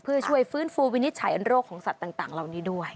เพื่อช่วยฟื้นฟูวินิจฉัยอันโรคของสัตว์ต่างเหล่านี้ด้วย